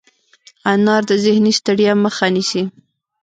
انار د ذهني ستړیا مخه نیسي.